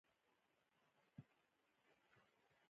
ښوروا د وفادار ملګرو سره خوند کوي.